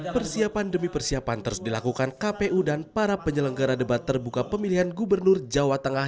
persiapan demi persiapan terus dilakukan kpu dan para penyelenggara debat terbuka pemilihan gubernur jawa tengah